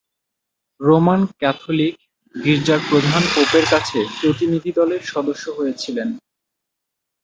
Roman Catholic গির্জার প্রধান পোপের কাছে প্রতিনিধিদলের সদস্যও হয়েছিলেন।